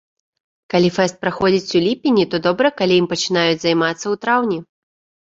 Калі фэст праходзіць у ліпені, то добра, калі ім пачынаюць займацца ў траўні.